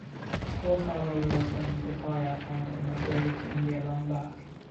His forefather were from Bukhara and had migrated to India long back.